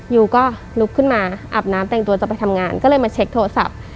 ยูก็ลุกขึ้นมาอาบน้ำแต่งตัวจะไปทำงานก็เลยมาเช็คโทรศัพท์